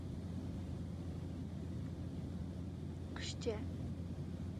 Qushcha…